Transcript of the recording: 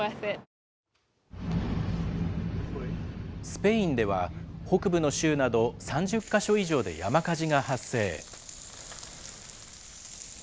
スペインでは、北部の州など、３０か所以上で山火事が発生。